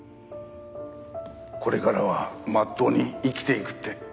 これからは真っ当に生きていくって。